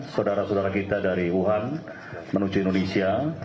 saudara saudara kita dari wuhan menuju indonesia